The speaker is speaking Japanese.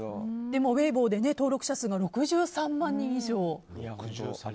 でも、ウェイボーで登録者数が６３万人以上。